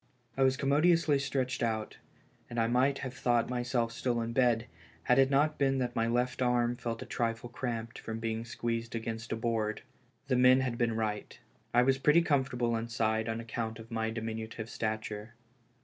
I was commodiously stretched out, and I might have thought myself still in my bed, had it not been that my 262 THE FUNERAL. left arm felt a trifle cramped from being squeezed against a board. The men had been right. I was pretty com fortable inside on account of my diminutive stature.